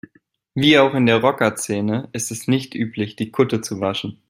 Wie auch in der Rocker-Szene ist es nicht üblich, die Kutte zu waschen.